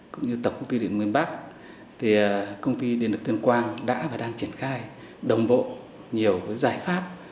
cũng như tập công ty địa lực miền bắc thì công ty địa lực tuyên quang đã và đang triển khai đồng bộ nhiều giải pháp